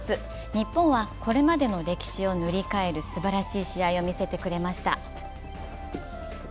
日本はこれまでの歴史を塗り替えるすばらしい試合を見せてくれました。